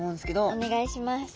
お願いします。